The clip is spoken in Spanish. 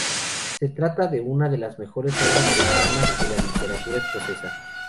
Se trata de una de las mejores obras tempranas de la literatura escocesa.